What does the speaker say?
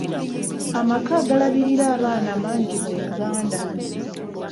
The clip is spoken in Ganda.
Amaka agalabirira abaana mangi mu Uganda.